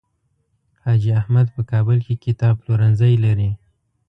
حاجي احمد په کابل کې کتاب پلورنځی لري.